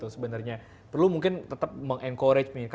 sebenarnya perlu mungkin tetap mengencourage